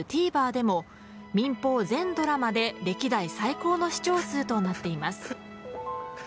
ＴＶｅｒでも民放全ドラマで歴代最高の視聴数となっています。